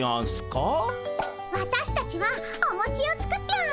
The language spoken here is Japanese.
わたしたちはおもちをつくぴょん。